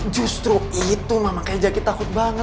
justru itu ma makanya jaki takut banget